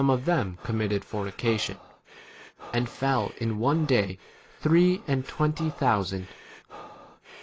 of them committed fornication, and fell in one day three and 9 twenty thousand.